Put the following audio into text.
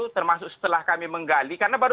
termasuk setelah kami menggali karena baru